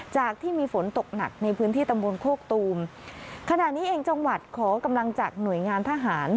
จากที่มีฝนตกหนักในพื้นที่ตำบลโคกตูมขณะนี้เองจังหวัดขอกำลังจากหน่วยงานทหาร